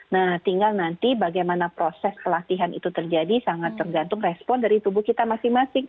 nah tinggal nanti bagaimana proses pelatihan itu terjadi sangat tergantung respon dari tubuh kita masing masing